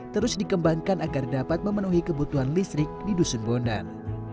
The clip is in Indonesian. terus dikembangkan agar dapat memenuhi kebutuhan listrik di dusun bondan